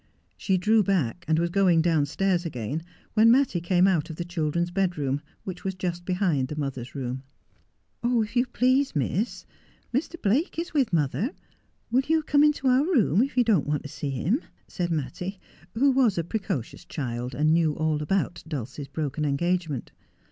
She drew back, and was going downstairs again, when Mattie came out of the children's bedroom, which was just behind the mother's room. 'Oh, if you please, Miss, Mr. Blake is with mother. "Will you come into our room, if you don't want to see him ?' said Mattie, who was a precocious child, and knew all about Dulcie's broken engagement.